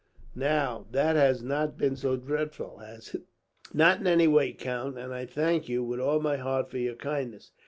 "Now, that has not been so dreadful, has it?" "Not in any way, count; and I thank you, with all my heart, for your kindness.